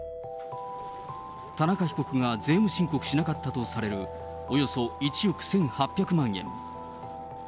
田中被告が税務申告しなかったとされるおよそ１億１８００万円。